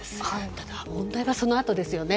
ただ、問題はそのあとですよね。